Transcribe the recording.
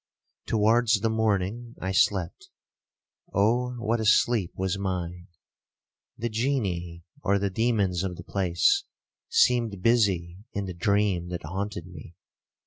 Towards the morning I slept,—Oh what a sleep was mine!—the genii, or the demons of the place, seemed busy in the dream that haunted me.